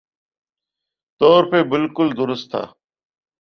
طور پہ بالکل درست تھا